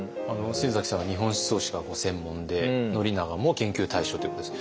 先さんは日本思想史がご専門で宣長も研究対象ということです。